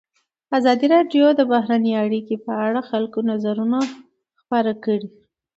ازادي راډیو د بهرنۍ اړیکې په اړه د خلکو نظرونه خپاره کړي.